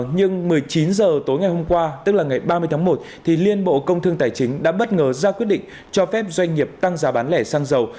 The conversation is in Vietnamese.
nhưng một mươi chín h tối ngày hôm qua tức là ngày ba mươi tháng một liên bộ công thương tài chính đã bất ngờ ra quyết định cho phép doanh nghiệp tăng giá bán lẻ xăng dầu